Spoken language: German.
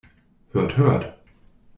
Hört, hört!